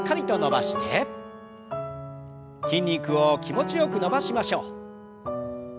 筋肉を気持ちよく伸ばしましょう。